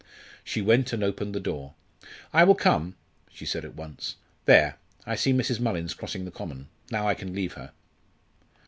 She went and opened the door. "I will come," she said at once. "There I see Mrs. Mullins crossing the common. Now I can leave her."